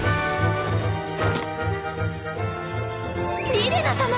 リレナ様！